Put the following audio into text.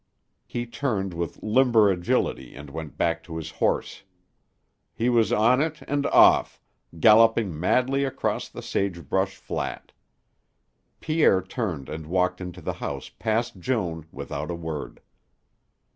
He turned with limber agility and went back to his horse. He was on it and off, galloping madly across the sagebrush flat. Pierre turned and walked into the house past Joan without a word.